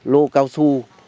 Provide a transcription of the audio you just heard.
lô cao su